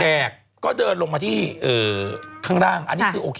แล้วก็เดินลงมาที่คลังด้างอันนี้คือโอเค